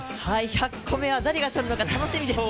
１００個目は誰が取るのか楽しみですね。